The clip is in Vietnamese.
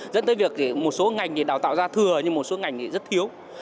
dẫn tới việc một số ngành đào tạo ra thừa nhưng một số ngành rất thiếu